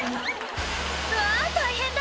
うわ大変だ！